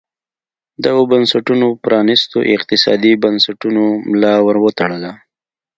دغو بنسټونو پرانیستو اقتصادي بنسټونو ملا ور وتړله.